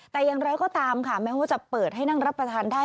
แต่อย่างไรก็ตามค่ะแม้ว่าจะเปิดให้นั่งรับประทานได้